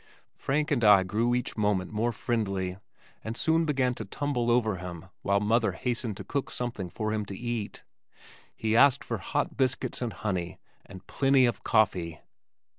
Frank and I grew each moment more friendly and soon began to tumble over him while mother hastened to cook something for him to eat. He asked for "hot biscuits and honey and plenty of coffee."